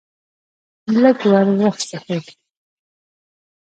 لږ ور وڅخېد.